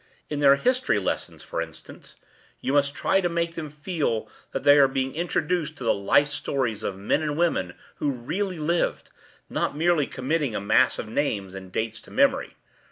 In their history lessons, for instance, you must try to make them feel that they are being introduced to the life stories of men and women who really lived, not merely committing a mass of names and dates to memory.